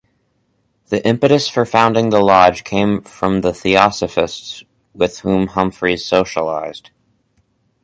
The impetus for founding the Lodge came from theosophists with whom Humphreys socialised.